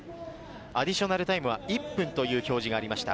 アディショナルタイムは１分という表示がありました。